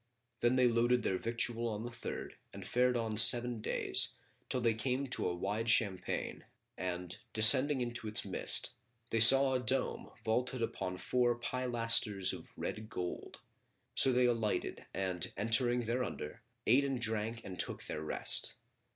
Then they loaded their victual on the third and fared on seven days, till they came to a wide champaign and, descending into its midst, they saw a dome vaulted upon four pilasters of red gold; so they alighted and entering thereunder, ate and drank and took their rest.